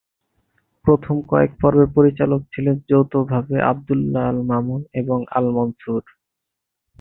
প্রথম কয়েক পর্বের পরিচালক ছিলেন যৌথভাবে আবদুল্লাহ আল মামুন এবং আল মনসুর।